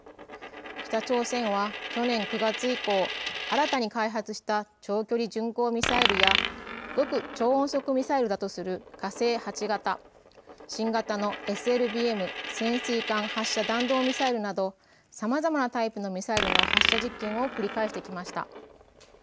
北朝鮮は去年９月以降、新たに開発した長距離巡航ミサイルや極超音速ミサイルだとする火星８型、新型のＳＬＢＭ・潜水艦発射弾道ミサイルなどさまざまなタイプのミサイルの発射実験を繰り返してきました。